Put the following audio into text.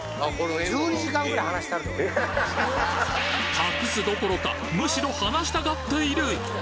隠すどころかむしろ話したがっている！